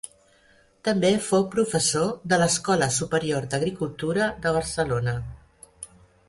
També fou professor de l'Escola Superior d'Agricultura de Barcelona.